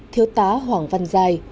thiếu tá hoàng văn giai